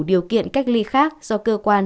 điều kiện cách lấy khác do cơ quan